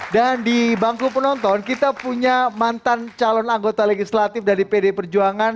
dan di bangku penonton kita punya mantan calon anggota legislatif dari pd perjuangan